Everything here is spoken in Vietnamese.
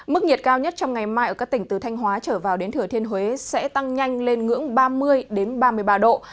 mức nhiệt cao nhất trong ngày mai ở các tỉnh từ thanh hóa trở vào đến thừa thiên huế sẽ tăng nhanh lên ngưỡng ba mươi ba mươi ba độ